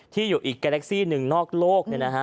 ที่อยู่อีกแกล็กซี่หนึ่งนอกโลกเนี่ยนะฮะ